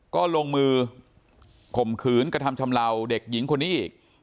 ก็ลงมือข่มขืนกระทำชำลาวเด็กหญิงคนนี้อีก